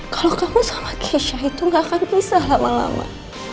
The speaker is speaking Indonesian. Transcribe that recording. kalau kamu sama kiesya itu gak akan pisah lama lama